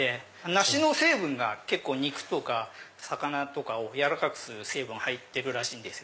梨が肉とか魚とかを軟らかくする成分が入ってるらしいんですよ。